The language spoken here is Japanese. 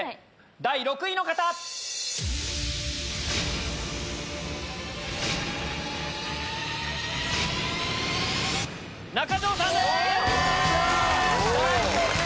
第６位中条さんです！